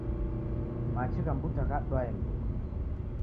Machi gha mbuta ghadwae mbeo